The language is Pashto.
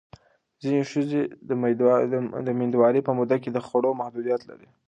ځینې ښځې د مېندوارۍ په موده کې د خوړو محدودیت لري.